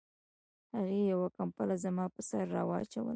هغې یوه کمپله زما په سر را واچوله